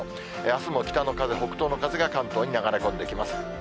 あすも北の風、北東の風が関東に流れ込んできます。